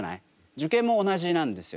受験も同じなんですよ。